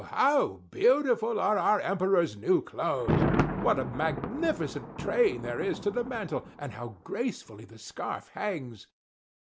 How beautiful are our Emperor's new clothes! What a magnificent train there is to the mantle; and how gracefully the scarf hangs!"